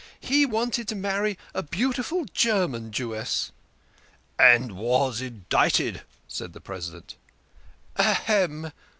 " He wanted to marry a beautiful German Jewess." " And was interdicted," said the President. "Hem!"